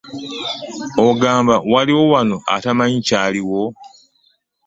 Ogamba waliwo wano atamanyi kyaliwo?